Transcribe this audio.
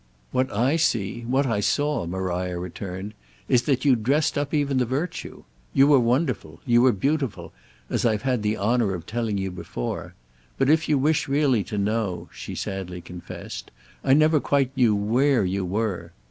"What I see, what I saw," Maria returned, "is that you dressed up even the virtue. You were wonderful—you were beautiful, as I've had the honour of telling you before; but, if you wish really to know," she sadly confessed, "I never quite knew where you were.